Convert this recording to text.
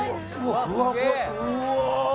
うわ！